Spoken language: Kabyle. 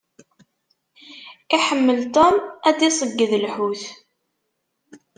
Iḥemmel Tom ad d-iṣeyyed lḥut.